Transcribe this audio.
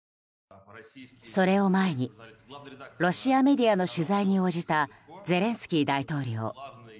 それを前にロシアメディアの取材に応じたゼレンスキー大統領。